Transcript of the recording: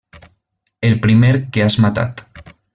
El primer que has matat.